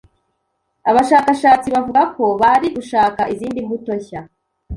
Abashakashatsi bavuga ko bari gushaka izindi mbuto nshya